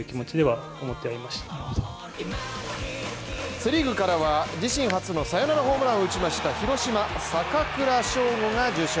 セ・リーグからは自身初のサヨナラホームランを打ちました広島・坂倉将吾が受賞